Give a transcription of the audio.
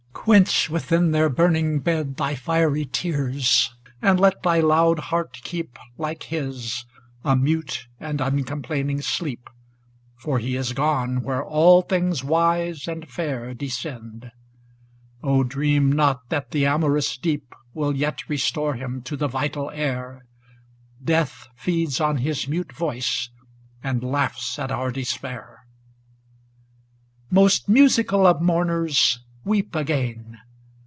Quench within their burning bed Thy fiery tears, and let thy loud heart keep Like his a mute and uncomplaining sleep; ADONAIS 3^^ For he is gone where all things wise and fair Descend. Oh, dream not that the amor ous Deep Will yet restore him to the vital air; Death feeds on his mute voice, and laughs at our despair. IV Most musical of mourners, weep again